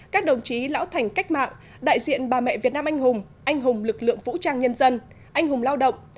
các đồng chí lão thành cách mạng đại diện bà mẹ việt nam anh hùng anh hùng lực lượng vũ trang nhân dân anh hùng lao động